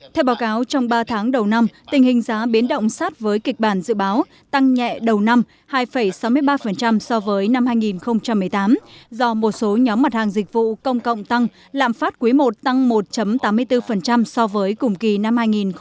theo báo cáo trong ba tháng đầu năm tình hình giá biến động sát với kịch bản dự báo tăng nhẹ đầu năm hai sáu mươi ba so với năm hai nghìn một mươi tám do một số nhóm mặt hàng dịch vụ công cộng tăng lạm phát quý i tăng một tám mươi bốn so với cùng kỳ năm hai nghìn một mươi bảy